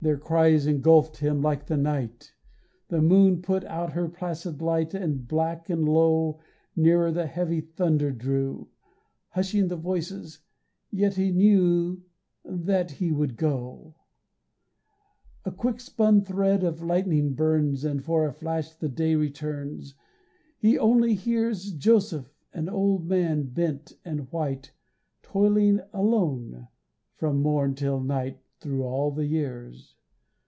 Their cries engulfed him like the night, The moon put out her placid light And black and low Nearer the heavy thunder drew, Hushing the voices ... yet he knew That he would go. A quick spun thread of lightning burns, And for a flash the day returns He only hears Joseph, an old man bent and white Toiling alone from morn till night Thru all the years.